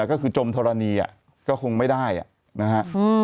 ก็คือจมธรณีก็คงไม่ได้นะฮะ